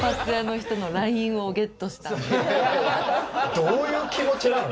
どういう気持ちなの？